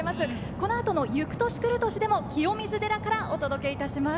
このあと放送の「ゆく年くる年」でも清水寺からお届けします。